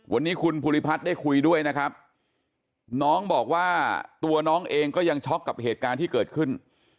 วันนี้คุณภูริพัฒน์ได้คุยด้วยนะครับน้องบอกว่าตัวน้องเองก็ยังช็อกกับเหตุการณ์ที่เกิดขึ้น